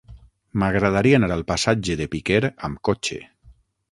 M'agradaria anar al passatge de Piquer amb cotxe.